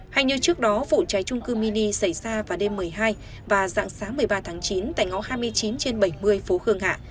hay như trước đó vụ cháy trung cư mini xảy ra vào đêm một mươi hai và dạng sáng một mươi ba tháng chín tại ngõ hai mươi chín trên bảy mươi phố khương hạ